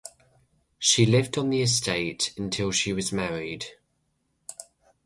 She lived on the estate until she was married.